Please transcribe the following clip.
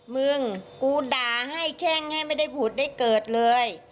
มึงกูด่าให้แข้งให้ไม่ได้ผุดได้เกิดเลย